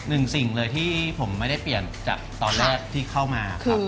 หนึ่งสิ่งที่ผมไม่ได้เปลี่ยนจากตอนแรกที่เข้ามา